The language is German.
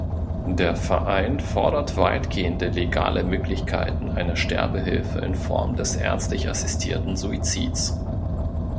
Der Verein fordert weitergehende legale Möglichkeiten einer Sterbehilfe in Form des ärztlich assistierten Suizids.